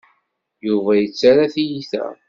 Yuba yettarra tiyita.